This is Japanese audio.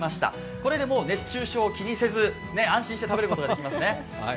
これで熱中症を気にせず安心して食べることができますね。